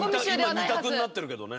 今２択になってるけどね。